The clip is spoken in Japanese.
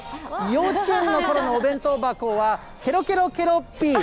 幼稚園のころのお弁当箱はケロケロケロッピ。